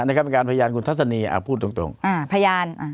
ในคำให้การพยานคุณทัศนีอ่าพูดตรงตรงอ่าพยานอ่า